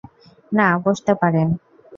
না, বসতে পারেন।